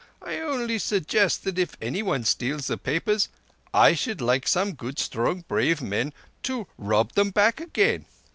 I only suggest that if anyone steals the papers I should like some good strong, brave men to rob them back again.